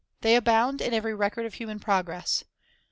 They abound in every record of human progress.